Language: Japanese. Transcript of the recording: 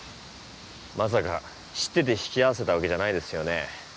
まさか知ってて引き合わせたわけじゃないですよね？